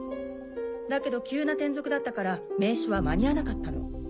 だけど急な転属だったから名刺は間に合わなかったの。